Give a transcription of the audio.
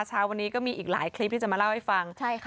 เช้าวันนี้ก็มีอีกหลายคลิปที่จะมาเล่าให้ฟัง